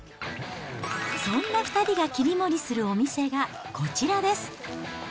そんな２人が切り盛りするお店がこちらです。